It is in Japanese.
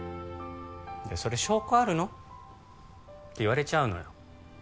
「それ証拠あるの？」って言われちゃうのよ